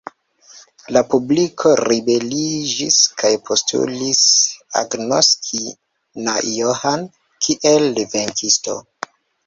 La publiko ribeliĝis kaj postulis agnoski na Johann kiel venkinto.